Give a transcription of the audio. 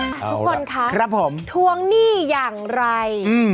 ทุกคนคะครับผมทวงหนี้อย่างไรอืม